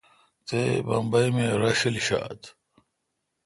تے بمبئ می راݭل ݭات۔